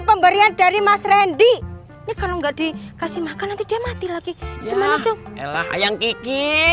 pemberian dari mas rendy nih kalau nggak dikasih makan nanti dia mati lagi gimana tuh ayang gigi